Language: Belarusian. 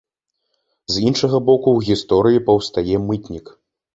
З іншага боку ў гісторыі паўстае мытнік.